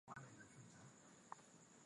Lipieni leseni zenu leo.